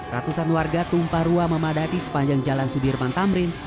ratusan warga tumpah ruah memadati sepanjang jalan sudirman tamrin